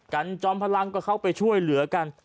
จอมพลังก็เข้าไปช่วยเหลือกัน